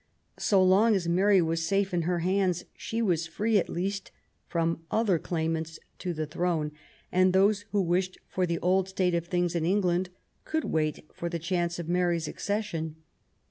So long as Mary was safe in her hands, she was free, at least, from other claimants to the throne, and those who wished for the old state of things in England could wait for the chance of Mary's acces sion.